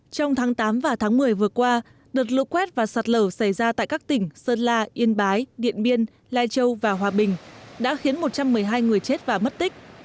trong tháng tám và tháng một mươi vừa qua đợt lũ quét và sạt lở xảy ra tại các tỉnh sơn la yên bái điện biên lai châu và hòa bình đã khiến một trăm một mươi hai người chết và mất tích